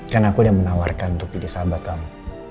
kan aku udah menawarkan untuk pilih sahabat kamu